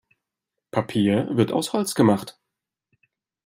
Papier wird aus Holz gemacht.